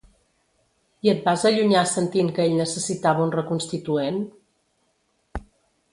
I et vas allunyar sentint que ell necessitava un reconstituent?